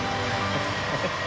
ハハハ。